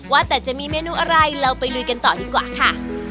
ว่าแต่จะมีเมนูอะไรเราไปลุยกันต่อดีกว่าค่ะ